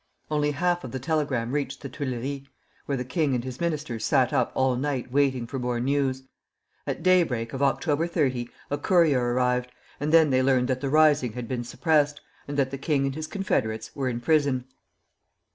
Only half of the telegram reached the Tuileries, where the king and his ministers sat up all night waiting for more news. At daybreak of October 30 a courier arrived, and then they learned that the rising had been suppressed, and that the prince and his confederates were in prison.